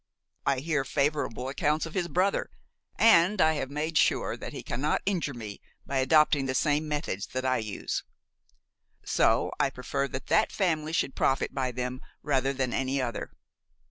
I hear favorable accounts of his brother, and I have made sure that he cannot injure me by adopting the same methods that I use; so I prefer that that family should profit by them rather than any other.